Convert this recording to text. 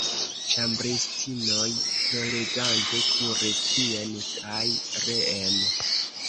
Ĉambristinoj ploregante kuris tien kaj reen.